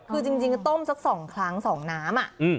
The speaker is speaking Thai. คือจริงคือต้มซักสองครั้งสองน้ำน่ะอืม